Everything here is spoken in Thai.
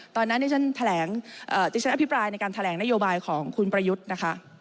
ตอนนั้นที่ฉันอภิปรายในการแถลงนโยบายของคุณประยุทธ์นะคะ